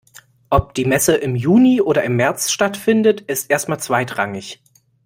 Ob die Messe im Juni oder im März stattfindet, ist erst mal zweitrangig.